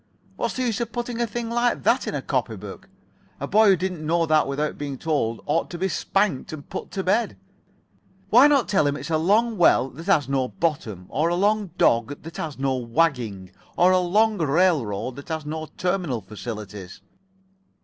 What's the use of putting a thing like that in a copy book? A boy who didn't know that without being told ought to be spanked and put to bed. Why not tell him it's a long well that has no bottom, or a long dog that has no wagging, or a long railroad that has no terminal facilities?"